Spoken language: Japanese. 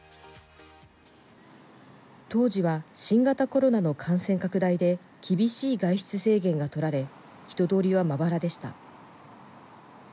当時は新型コロナの感染拡大で厳しい外出制限が取られ、人通りはまばらでした。